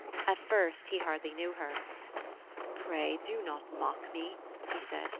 At first he hardly knew her. "Pray do not mock me,'* he said.